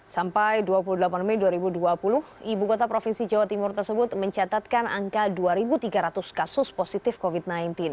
sampai dua puluh delapan mei dua ribu dua puluh ibu kota provinsi jawa timur tersebut mencatatkan angka dua tiga ratus kasus positif covid sembilan belas